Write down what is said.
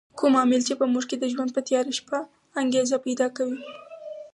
کوم عامل چې په موږ کې د ژوند په تیاره شپه انګېزه پیدا کوي.